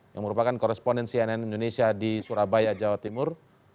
yang merupakan koresponden cnn indonesia di surabaya jawa timur